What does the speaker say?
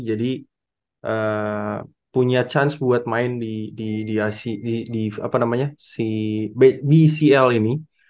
jadi punya chance buat main di bcl ini